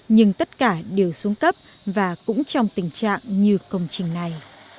nhưng tất cả đều xuống cấp và cũng trong tình trạng như công trình này